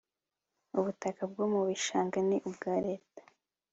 Ubutaka bwo mu bishanga ni ubwa Leta